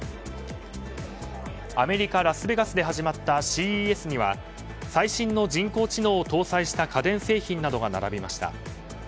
アメリカ・ラスベガスで始まったＣＥＳには最新の人工知能を搭載した家電製品などが並びました。